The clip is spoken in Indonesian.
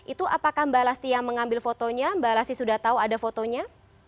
itu apakah mbak lasti yang mengambil fotonya mbak lasti sudah tahu ada fotonya